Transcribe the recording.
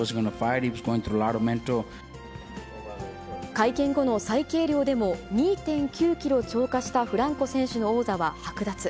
会見後の再計量でも２．９キロ超過したフランコ選手の王座は剥奪。